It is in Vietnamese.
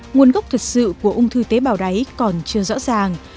nguồn gốc thật sự của ung thư tế bào đáy còn chưa rõ ràng